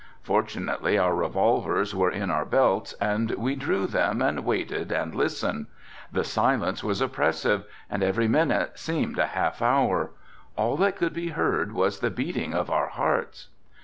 Fortunately our revolvers were in our belts and we drew them and waited and listened. The silence was oppressive and every minute seemed a half hour. All that could be heard was the beating of our hearts.